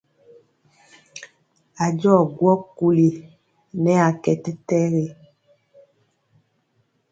A jɔ gwɔ kuli nɛ a kɛ tɛtɛgi.